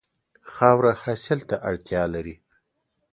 خاوره حاصل ته اړتیا لري.